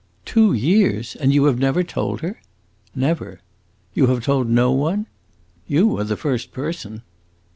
"Two years! And you have never told her?" "Never." "You have told no one?" "You are the first person."